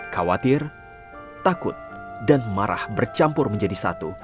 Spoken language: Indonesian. khawatir takut dan marah bercampur menjadi satu